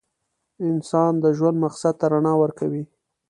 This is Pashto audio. استاد د ژوند مقصد ته رڼا ورکوي.